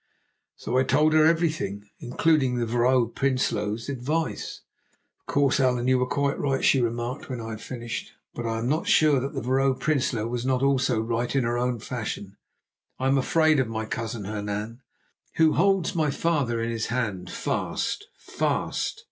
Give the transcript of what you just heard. So I told her everything, including the Vrouw Prinsloo's advice. "Of course, Allan, you were quite right," she remarked when I had finished; "but I am not sure that the Vrouw Prinsloo was not also right in her own fashion. I am afraid of my cousin Hernan, who holds my father in his hand—fast, fast.